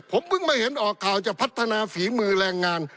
ผมเพิ่งมาเห็นออกข่าวจะพัฒนาฝีมือแรงงาน